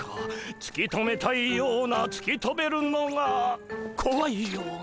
つき止めたいようなつき止めるのがこわいような。